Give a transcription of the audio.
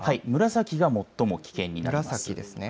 紫が最も危険になっています。